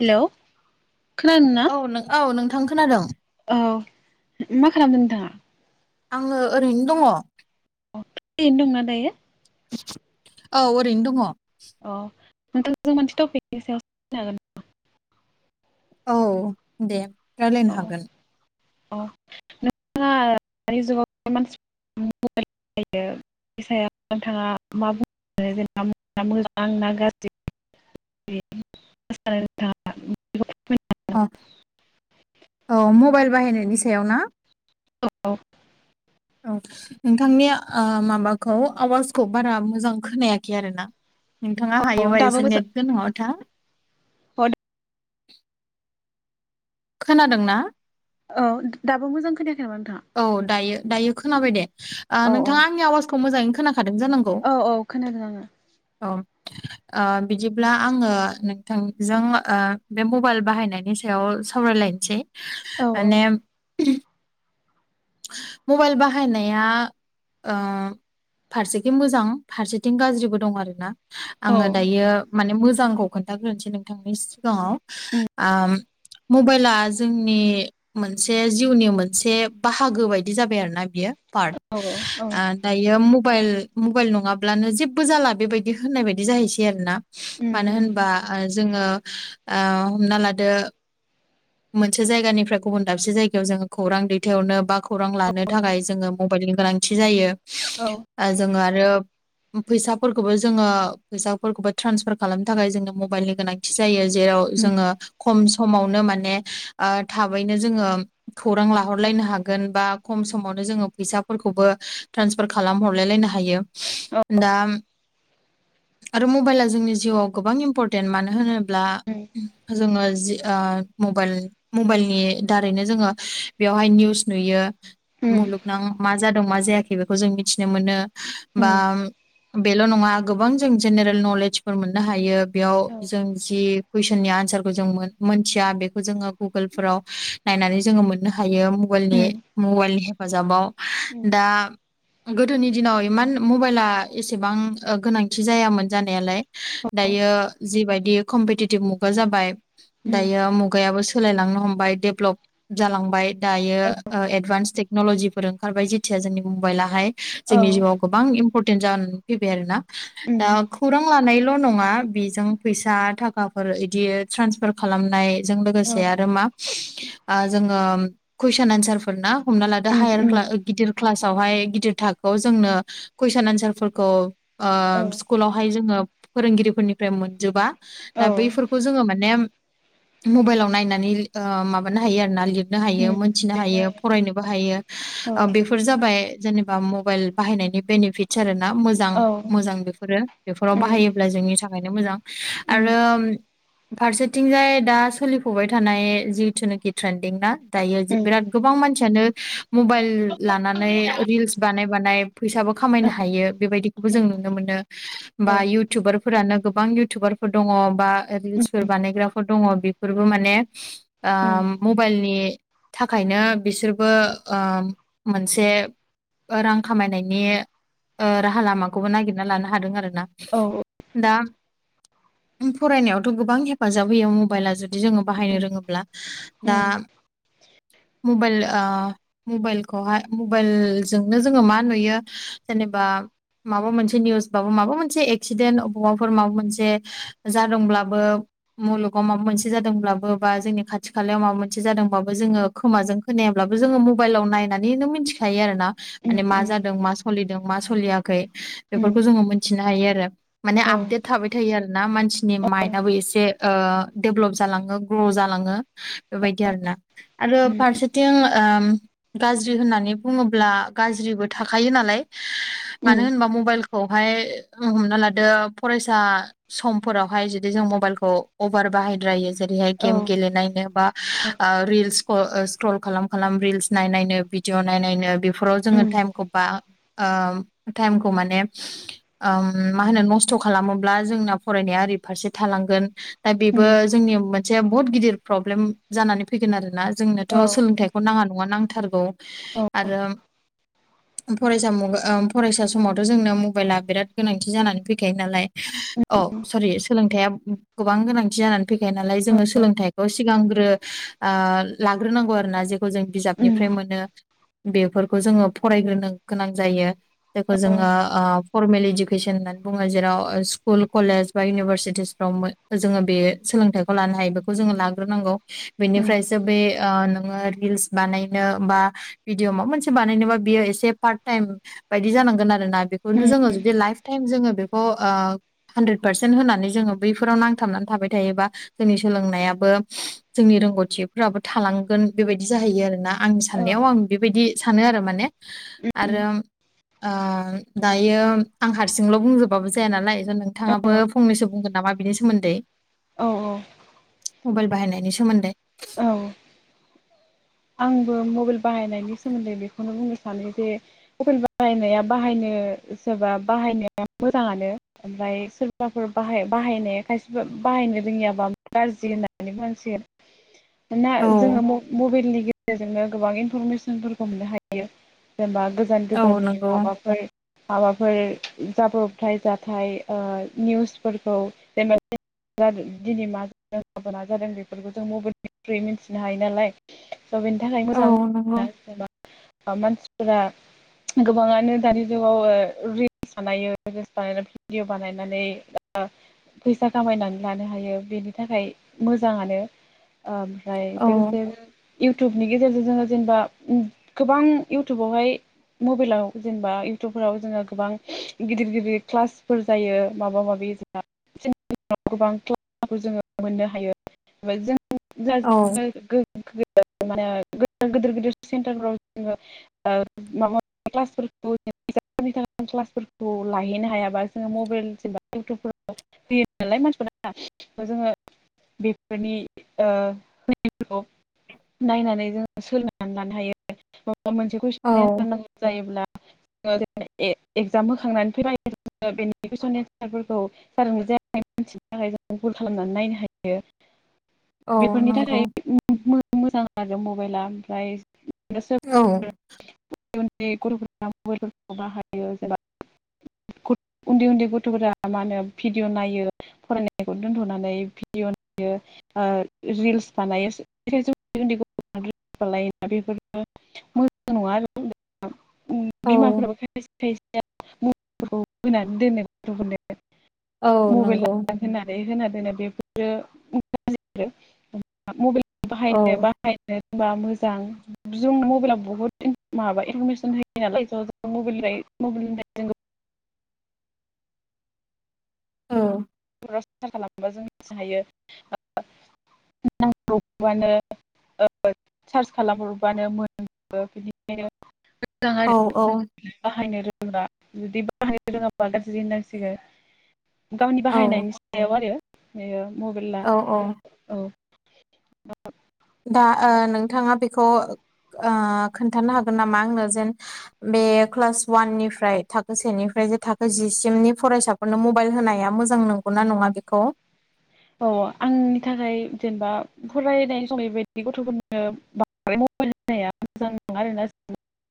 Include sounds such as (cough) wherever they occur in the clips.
Hello खोनादोंना? औ औ नोंथां खोनादों। औ। मा खालामदों नोंथाङा? आङो ओरैनो दङ। फ्रियैनो दंना दायो? औ ओरैनो दङ। औ नोंथां जों मोनसे टपिकनि सायाव सावरायनो औ दे रायलायनो हागोन। (unintelligible) बिनि सायाव नोंथाङा मा बुंनो जेनेबा मोजां ना गाज्रि (unintelligible) बेखौ फोरमायनो हागोन? अह औ मबाइल बाहायनायनि सायाव ना? औ। औ। नोंथांनि आ माबाखौ आवाजखौ बारा मोजां खोनायाखै आरो ना। नोंथाङा औ हायोबा दाबो एसे मोजां नेट गोनाङाव था। औ खोनादों ना? औ दाबो मोजां खोनायाखै नामा नोंथाङा? औ दायो-दायो खोनाबाय दे औ औ नोंथाङा आंनि आवाजखौ मोजाङै खोनाखादों जानांगौ। औ औ खोनादों आङो औ-औ। (inaudible) ओ बिदिब्ला आङो नोंथांजों ओ बे मबाइल बाहायनायनि सायाव सावरायलायनोसै। औ माने मबाइल बाहायनाया ओ फारसेथिं मोजां फारसेथिं गाज्रिबो दं आरो ना। औ आङो दायो माने मोजांखौ खोन्थाग्रोनोसै नोंथांनि सिगाङाव। उम आ मबाइला जोंनि मोनसे जिउनि मोनसे बाहागो बायदि जाबाय आरो ना बियो पार्ट औ औ औ ओ दायो मबाइल मबाइल नङाब्लानो जेबो जाला बेबायदि होननाय बायदि जाहैसै आरो ना उम मानो उम होनबा ओ जोङो ओ हमना लादो मोनसे जायगानिफ्राय गुबुन दाबसे जायगायाव जोङो खौरां दैथायहरनो बा खौरां औ लानो थाखाय जोङो म मबाइलनि गोनांथि जायो औ ओ जोंङो आरो फैसाफोरखौबो जोङो फैसाफोरखौबो ट्रन्सफार खालामनो थाखाय जोंनो मबाइलनि गोनांथि जायो। जेराव जोङो खम समावनो माने ओ थाबैनो जोङो खौरां औ लाहरलायनो हागोन बा खम समावनो जोङो फैसाफोरखौबो ट्रेन्सफार खालाम हरलायलायनो हायो। दा आरो मबाइला जोंनि जिउआव गोबां इम्पर्टे टेन मानो होनोब्ला उम जोङो जि ओ मबाइल मबाइलनि दारैनो जोङो बेवहाय निउस नुयो। उम मुलुगनां मा जादों मा जायाखै बेखौ जों मिथिनो मोनो। बा उम बेल' नङा गोबां जों जेनेरेल नलेजफोर मोननो हायो बेयाव उम जों जि कुइसननि आनसारखौ जों मोन मोनथिया बे खौ जोङो गुगोल फोराव नायनानै जोङो मोननो हायो मबाइलनि मबाइलनि हेफाजाबाव उम दा गोदोनि दिनाव इमान मबाइला एसेबां ओ गोनांथि जायामोन जानायालाय दायो जिबायदि कमपिटिटिभ मुगा जाबाय उम दायो मुग गायाबो सोलायलांनो हमबाय डेभलप जालांबाय दायो औ उम ओ एडभान्स टेक्नलजिफोर ओंखारबाय जेथिया जोंनि मबाइलाहाय जोंनि जिउआव गोबां इम्परटेन्ट जानानै फैबाय आरोना दा खौरां लानायल' नङा बिजों फैसा थाखाफोर इदि ट्रान्सफार खालामनाय बे जों औ लोगोसे आरो मा आ जोङो कुइसन एनसार फोर ना हमना लादो उम हायार उम ख्ला गिदिर क्लासावहाय गिदिर थाखोआव जोंनो कुइसन एनसारफोरखौ ओ औ स्कुलावहाय जोङो फोरोंगिरिफोरनिफ्राय मोनजोबा औ दा बैफोरखौ जोङो माने मबाइलाव नायनानै ओ माबानो हायो आरो ना लिरनो हायो उम मोनथिनो हायो लिरनाय फरायनोबो हायो औ ओ बेफोर जाबाय जेनेबा मबाइल बाहायनायनि बेनिफिटस आरोना मोज मोजां औ मोजां बेफोरो बेफोराव उम बाहायोब्ला जोंनि थाखायनो मोजां उम आरो फारसेथिंजाय दा सोलिफबाय थानाय जिथुनाखि ट्रेन्दिं ना दायो उम औ उम बिराद गोबां मानसि मानसियानो मबाइल लानानै रिल्स बानाय बानाय फैसाबो औ खामायनो हायो बेबायदि खौबो जों नुनो मोनो बा उम इउटुबार फोरानो गोबां इउथुबारफोर दङ बा उम औ उम उम रिल्सफोर बानायग्राफोर दङ बेफोरबो माने ओ औ उम औ मबाइलनि थाखायनो बिसोरबो ओ मोनसे ओ रां खामायनायनि ओ राहा लामाखौबो नागिरना लानो हादों आरो ना दा बुक फरायनायावथ' गोबां हेफाजाब होयो मबाइला जुदि जोङो बाहायनो रोङोब्ला दा मबाइल ओ मबाइलखौहाय मबाइलजोंनो जोङो मा नुयो जेनेबा माबा मोनसे निउसबाबो माबा मोनसे एक्सिडेन्ट अबावबाफोर माबा मोनसे जादोंब्लाबो मुलुगाव माबा मोनसे जादोंब्लाबो बा जोंनि खाथि खालायाव माबा मोनसे जादोंबाबो जोङो खोमाजों खोनायाब्लाबो जोङो मबाइलाव नायनानैनो मिथिखायो आरो ना माने मा जादों मा सलिदों मा सलियाखै बेफोरखौ जोङो मोनथिनो हायो आरो माने आपडेट थाबाय थायो आरोना मानसि- नि माइन्दआबो एसे ओ डेभलप जालाङो ग्र' जालाङो बेबायदि आरोना आरो फारसेथिं ओ गाज्रि होननानै बुङोब्ला गाज्रिबो थाखायो नालाय मानो होनबा मबाइल- खौहाय हमना लादो फरायसा समफोरावहाय जुदि जों मबाइलखौ अभार बाहायद्रायो जेरैहाय गेम गेलेनायनो बा ओ रिल्स ओ स्क्रल खालाम खालाम रिल्स नायनायनो भिडिअ नायनायनो बेफोराव उम जोङो टाइमखौ बा- ओ टाइमखौ माने ओम मा होनो नस्थ' खालामोब्ला जोंना फरायनाया ओरै फारसे थालांगोन दा औ बेबो जोंनि मोनसे बहुत गिदिर प्रब्लेम जानानै फैगोन आरोना जोंनोथ' सोलोंथाइखौ नाङा नङा नांथारगौ आरो (inaudible) फरायसा मु-ओ फरायसा समावथ' जोंनो मबाइला बिराद गोनांथि जानानै फैखायो नालाय औ सरि सोलोंथाइया गोबां गोनांथि जानानै फैखायो नालाय जोङो सोलोंथाइखौ सिगांग्रो ओ लाग्रोनांगौ आरोना जे- खौ जों उम औ उम बिजाबनिफ्राय मोनो बेफोरखौ जोङो फरायग्रोनो गोनां जायो जायखौ जोङो ओ फरमेल इडुकेसन होननानै बुङो जेराव स्कुल कलेज बा इउनिभारसिटिस फ्राव जोङो बे सोलोंथाइखौ लानो हायो बेखौ जोङो लाग्रो नांगौ औ बेनिफ्रायसो बे ओ नोङो रिल्स बानायनो बा भिदिअ माबा मोनसे बानायनोबा बियो एसे पार्ट टाइम बायदि जानांगोन आरो ना बेखौनो जोङो जुदि लाइफ टाइम जोङो बेखौ ओ हानद्रेद पारसेन्ट होनानै जोङो बैफोराव नांथाबनानै थाबाय थायोबा जोंनि सोलोंनायाबो जोंनि रोंग'थिफोराबो थालांगोन बेबायदि जाहैयो आरोना आंनि साननायाव आं बेबायदि सानो आरो माने आरो ओ दा- यो आं हारसिंल' बुंजोबबाबो जाया नालाय नोंथाङाबो फंनैसो बुंगोन नामा बिनि सोमोन्दै औ औ मबाइल बाहायनायनि सोमोन्दै औ आंबो मबाइल बाहायनायनि सोमोन्दै बेखौनो बुंनो सानो जे मबाइल बाहायनाया बाहायनो सोरबा बाहायनाया मोजाङानो ओमफ्राय सोरबाफोर बाहाय बाहाय बाहायनाया खायसेबा बाहायनो रोङियाबा गाज्रि होननानै बुंसिगोन मानोना औ जोंङो मबे मबाइलनि गेजेर गेजेरजोंनो गोबां इनफरमेसनफोरखौ मोननो हायो जेनेबा गोजान औ गोजाननि नंगौ माबाफोर माबाफोर जाब्रबथाय जाथाय ओ निउसफोरखौ जेनेबा दिनै मा जादों मा जादों बेफोरखौ जों मबाइल निफ्राय मिथिनो हायो नालाय स' बेनि थाखाय औ मोजां नंगौ जेनबा मानसिफोरा गोबाङानो दानि जुगाव ओ रिल्स बानायो रिल्स बानायनानै भिडिअ बानायनानै ओ फैसा खामायनानै लानो हायो बेनि थाखाय मोजाङानो ओमफ्राय औ लोगोसेनो इउटुबनि गेजेरजों जोङो जेनेबा गोबां इउटुबावहाय मबाइलाव जेनेबा इउटुबफोराव जोङो गोबां गिदिर गिदिर क्लासफोर जायो माबा माबि जोंना (unintelligible) औ माने (unintelligible) गिदिर गिदिर सेन्टारफ्राव जोङो ओ माबा क्लासफोरखौ (unintelligible) क्लासफोरखौ लाहैनो हायाबा जोङो मबाइल जेनेबा इउटुबफो (unintelligible) होयो नालाय मानसिफोरा ओ जोङो बेफोरनि ओ (unintelligible) नायनानै जोङो सोलोंनानै लानो हायो आरो मबेबा मोनसे औ कुइसननि एन्सार नांगौ जायोब्ला ओ ए एगजाम होखांनानै फैबाय (unintelligible) बेनि कुइसन एन्सारफोरखौ जादों ना जायाखै मिथिनो थाखाय जों गुल खालामनानै नायनो हायो। औ बिफोरनि नंगौ थाखाय मो- मो- मोजां आरो मबाइला ओमफ्राय (unintelligible) औ (unintelligible) बाहायो जेनबा उन्दै उन्दै गथ'फोरा मा होनो भिडिअ' नायो फरायनायखौ दोन्थ'नानै भिडिअ' (unintelligible) यो ओ रिल्स बानायो (unintelligible) बेफोरखो (unintelligible) औ बिमाफोराबो खायसे खायसेया मबेलफोरखौ होनानै दोनो गथ'फोरनो औ मबेल नंगौ (unintelligible) होननानै होना दोनो बेफोरो (unintelligible) मबाइल औ बाहायनो बाहायनो रोंबा मोजां। जोंनो मबाइला बहुत इम माबा इनफरमेसन होयो नालाय थ जों मबेलनिफाय मबिलनिफाय जों गो औ (unintelligible) खालामबाजों मिथि हायो ओ (unintelligible) (unintelligible) बानो ओ सार्च खालामहरबानो मोनजोबो बिनिखायनो (unintelligible) जां आरो औ औ बाहायनो रों फोरा जुदि बाहायनो रोङाबा गाज्रि होनांसिगो गावनि औ बाहायनायनि सायाव आरो बेयो मबेला औ औ औ दा ओ नोंथाङा बेखौ ओ खोन्थानो हागोन नामा आंनो जेन बे क्लास वाननिफ्राय थाखो सेनिफ्राय जे थाखो जिसिमनि फरायसा फोरनो मबाइल होनाया मोजां नंगौना नङा बेखौ औ आंनि थाखाय जेनबा फरायनाय सम बेबायदि गथ'फोरनो बां (unintelligible) मबाइल होनाया मोजां नङा आरोना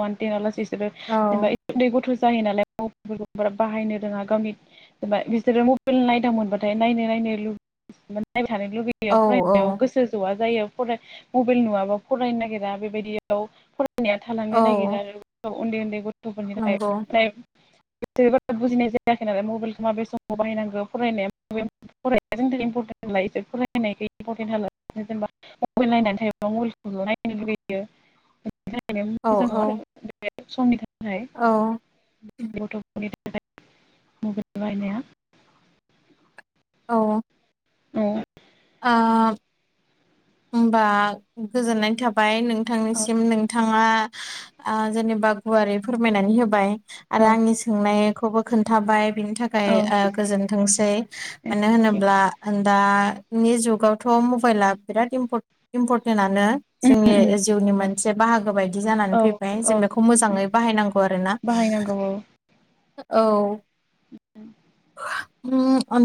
वान- तेन लासै इसोरो जेनेबा औ उन्दै गथ' जायो नालाय (unintelligible) फोरखौ बारा बाहायनो रोङा गावनि जेनबा बिसोरो मबाइल नायदावमोनबाथाय नायनो नायनो लुबै (unintelligible) नायबाय थानो लुुगैयो फरायनायाव औ गोसो ज'आ जायो। फराय मबाइल नुङाबा फरायनो नागिरा बेबायदियाव फरायनाया थालांनो औ नागिरा आरो। ओ उन्दै उन्दै गथ'फोरनि थाखाय नंगौ (unintelligible) (unintelligible) बारा बुजिनाय जायाखै आरो मबाइलखो माबे समाव बायनांगो फरायनाया (unintelligible) फराय (unintelligible) इमपरटेन लायो इसोर फरायनायखो इम्परटेन होआ लासिनो जेनबा मबेल नायनानै थायोब्ला मबेल खोल' नायनो लुुगैयो थाखायनो औ मोजां नङा औ आरो बे समनि थाखाय। औ गथ'फोरनि थाखाय मबेल बायहानाया औ औ ओम होमबा गोजोननाय थाबाय नों औ नोंथांनिसिम नोंथाङा ओ जेनेबा गुवारै फोरमायनानै होबाय आरो आंनि सोंनायखौबो खोन्थाबाय बिनि थाखाय ओ गोजोनथोंसै। मानो होनोब्ला ओं दा बे जुगावथ' मबाइला बिराद इम्पर-इम्परटेन्टनानो जोंनि जिउनि मोनसे बाहागो बायदि जानानै औ फैबाय औ जों बेखौ मोजाङै बाहायनांगौ आरोना बाहायनांगौ औ। औ ओम-ओम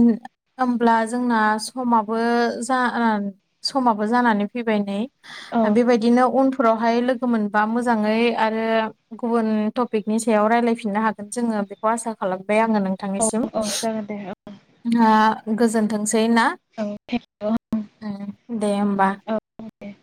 होमब्ला जोंना समा बो‌ ओ जाहोन समाबो जानानै फैबाय नै औ बेबायदिनो उनफोराव बेहाय लोगो मोनबा मोजाङै आरो गुबुन टपिकनि सायाव रायलायफिननो हागोन जोङो बेखौ आसा खालामबाय आङो नोंथांनिसिम औ जागोन दे औ ना गोजोनथोंसै ना। (unintelligible) उम दे होमबा। (unintelligible)